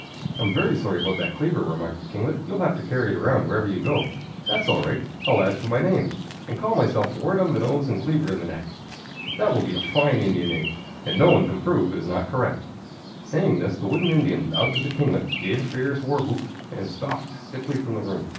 "I'm very sorry about that cleaver," remarked the kinglet. "You'll have to carry it around wherever you go." "That's all right. I'll add to my name and call myself Wart on the Nose and Cleaver in the Neck. That will be a fine Indian name, and no one can prove it is not correct." Saying this, the wooden Indian bowed to the kinglet, gave a furious war whoop, and stalked stiffly from the room.